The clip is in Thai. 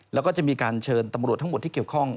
แล้วก็จะมีการเชิญตำรวจทั้งหมดที่เกี่ยวข้อง